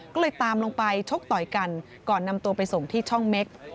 ก็เลยตามลงไปชกต่อยกันก่อนนำตัวไปส่งที่ช่องเม็ก